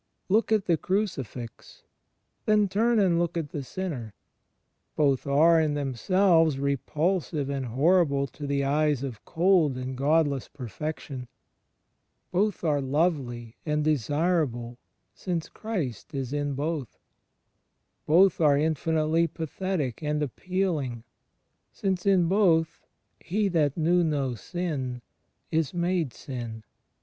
Look at the crucifix. Then turn and look at the Sin ner. Both are, in themselves, repulsive and horrible to the eyes of cold and godless perfection : both are lovely and desirable, since Christ is in both : both are infinitely pathetic and appealing, since in both He '' that knew no sin" is "made sin."